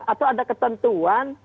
atau ada ketentuan